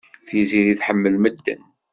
Tiziri tḥemmel medden.